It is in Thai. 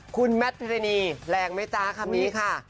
คุณแมทพิรณีแรงไหมจ๊ะคำนี้ค่ะ